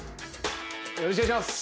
よろしくお願いします。